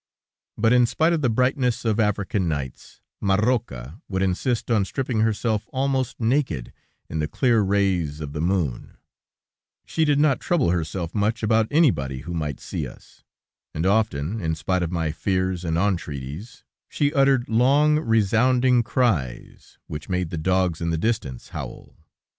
But in spite of the brightness of African nights, Marroca would insist on stripping herself almost naked in the clear rays of the moon; she did not trouble herself much about anybody who might see us, and often, in spite of my fears and entreaties, she uttered long, resounding cries, which made the dogs in the distance howl.